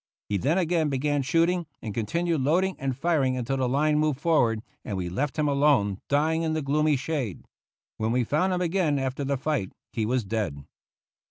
He then again began shooting, and continued loading and firing until the line moved forward and we left him alone, dying in the gloomy shade. When we found him again, after the fight, he was dead.